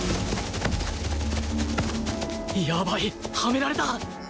やばいハメられた！